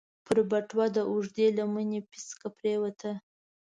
پر بټوه د اوږدې لمنې پيڅکه پرېوته.